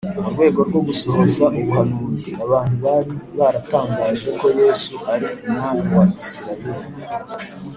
mu rwego rwo gusohoza ubuhanuzi, abantu bari baratangaje ko yesu ari umwami wa isirayeli